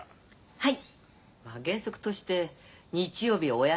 はい。